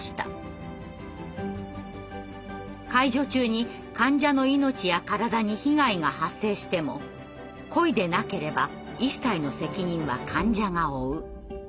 「介助中に患者の命や体に被害が発生しても故意でなければ一切の責任は患者が負う」。